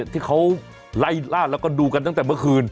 ที่เขาไล่ล่าแล้วก็ดูกันตั้งแต่เมื่อคืน